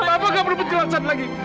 bapak dihilangin penjelasan lagi